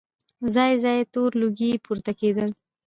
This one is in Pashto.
ځای ځای تور لوګي پورته کېدل.